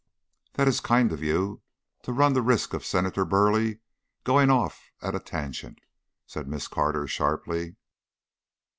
"That is kind of you to run the risk of Senator Burleigh going off at a tangent," said Miss Carter, sharply.